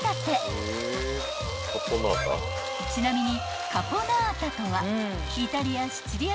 ［ちなみに］